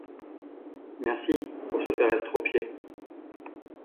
Merci, pour se faire estropier !